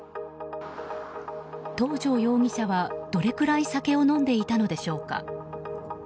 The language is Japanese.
東條容疑者は、どれぐらい酒を飲んでいたのでしょうか。